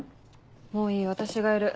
もういい私がやる。